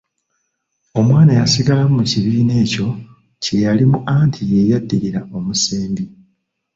Omwana yasigalamu mu kibiina ekyo kye yalimu anti y'eyaddirira omusembi.